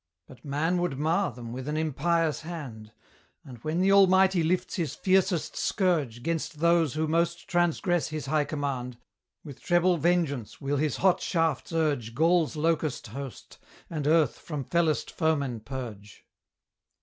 But man would mar them with an impious hand: And when the Almighty lifts his fiercest scourge 'Gainst those who most transgress his high command, With treble vengeance will his hot shafts urge Gaul's locust host, and earth from fellest foemen purge.